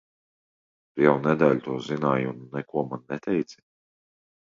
Tu jau nedēļu to zināji, un neko man neteici?